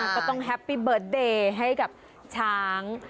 ก็ต้องแฮปปี้เบิร์ตเดย์ให้กับช้าง